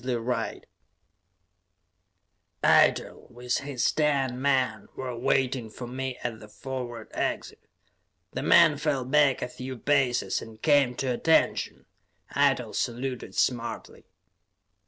Eitel, with his ten men, were waiting for me at the forward exit. The men fell back a few paces and came to attention; Eitel saluted smartly.